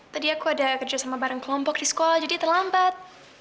tadi aku ada kerjasama bareng kelompok di sekolah jadi terlambat